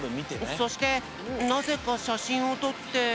そしてなぜかしゃしんをとって。